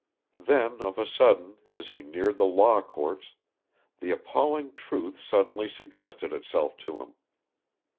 Then of a sudden, as he neared the Law Courts, the appalling truth suddenly suggested itself to him.